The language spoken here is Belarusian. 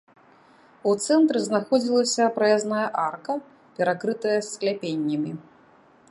У цэнтры знаходзілася праязная арка, перакрытая скляпеннямі.